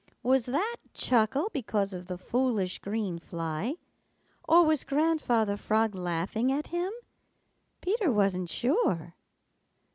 Was that chuckle because of the foolish green fly, or was Grandfather Frog laughing at him? Peter wasn't sure.